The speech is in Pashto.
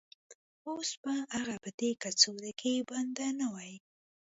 اوس به هغه په دې کڅوړه کې بنده نه وای